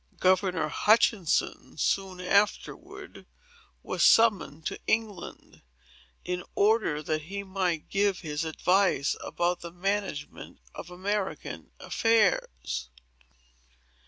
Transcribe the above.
Governor Hutchinson, soon afterward, was summoned to England, in order that he might give his advice about the management of American affairs.